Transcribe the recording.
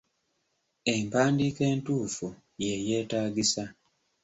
Empandiika entuufu ye yeetagisa.